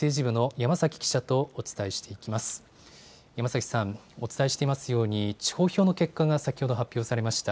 山崎さん、お伝えしていますように、地方票の結果が先ほど発表されました。